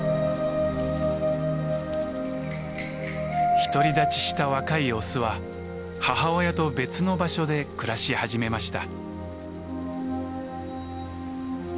独り立ちした若いオスは母親と別の場所で暮らし始めました。